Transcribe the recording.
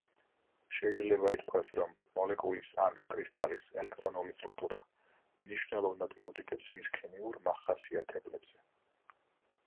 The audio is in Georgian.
შეიძლება ითქვას, რომ მოლეკულის ან კრისტალის ელექტრონული სტრუქტურა მნიშვნელოვნად მიუთითებს მის ქიმიურ მახასიათებლებზე.